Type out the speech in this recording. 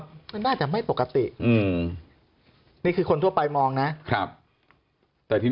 มันน่าจะไม่ปกติ